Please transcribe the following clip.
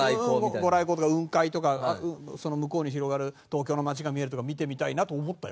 御来光とか雲海とか向こうに広がる東京の街が見えるとか見てみたいなと思ったよ。